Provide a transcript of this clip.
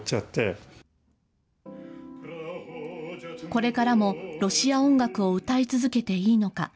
これからもロシア音楽を歌い続けていいのか。